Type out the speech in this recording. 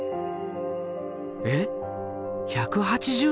えっ１８０℃？